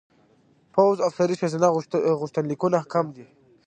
پوځ افسرۍ ښځینه غوښتنلیکونه کم دي.